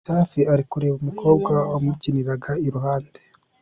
Safi ari kureba umukobwa wamubyiniraga iruhande!.